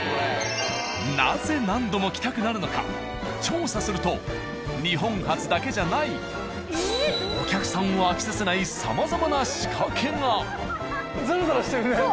なぜ何度も来たくなるのか調査すると日本初だけじゃないお客さんを飽きさせないさまざまな仕掛けが。